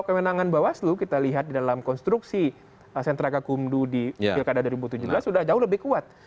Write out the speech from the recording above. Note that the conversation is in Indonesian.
nah kalau kemenangan bawas slu kita lihat di dalam konstruksi sentra keakumdu di pilkada dua ribu tujuh belas sudah jauh lebih kuat